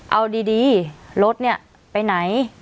เอาดีรถเนี่ยไปไหน